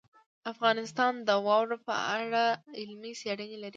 افغانستان د واوره په اړه علمي څېړنې لري.